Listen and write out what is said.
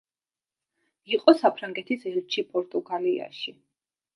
იყო საფრანგეთის ელჩი პორტუგალიაში.